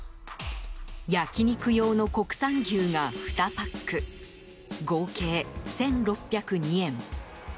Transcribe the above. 焼き肉用の国産牛が２パック合計１６０２円。